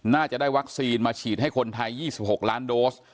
น่าจะได้วัคซีนมาฉีดให้คนไทย๒๖ล้านโดส